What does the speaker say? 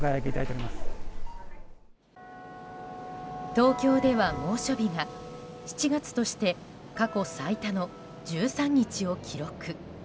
東京では猛暑日が７月として過去最多の１３日を記録。